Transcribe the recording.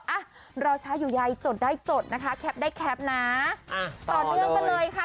อ่ะรอช้าอยู่ใยจดได้จดนะคะแคปได้แคปนะต่อเนื่องกันเลยค่ะ